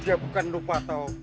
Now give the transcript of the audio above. dia bukan lupa tau